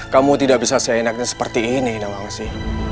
kamu tidak bisa se enaknya seperti ini nang angsi